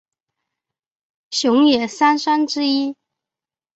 熊野三山之一。